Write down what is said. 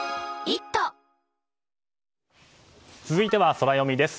続いてはソラよみです。